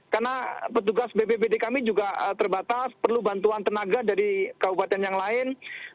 karena petugas bppd kami juga terbatas perlu bantuan tenaga dari kabupaten yang lain